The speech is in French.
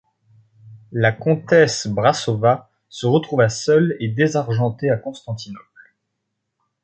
La comtesse Brassova se retrouva seule et désargentée à Constantinople.